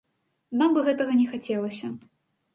Нам бы гэтага не хацелася.